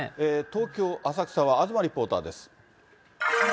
東京・浅草は東リポーターです。